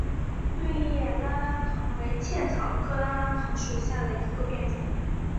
钝叶拉拉藤为茜草科拉拉藤属下的一个变种。